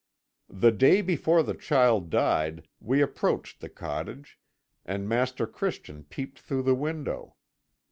"The day before the child died we approached the cottage, and Master Christian peeped through the window.